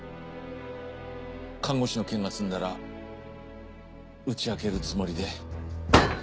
看護師の件が済んだら打ち明けるつもりで。